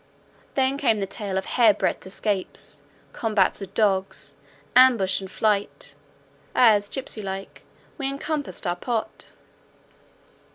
Then came the tale of hair breadth escapes, combats with dogs, ambush and flight, as gipsey like we encompassed our pot.